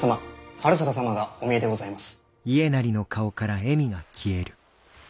治済様がお見えでございます。